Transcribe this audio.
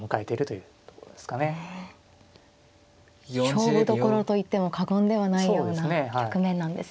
勝負どころと言っても過言ではないような局面なんですね。